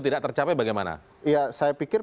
tidak tercapai bagaimana ya saya pikir